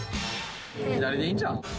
左でいいんじゃん。